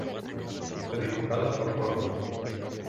Fue diputada por Córdoba.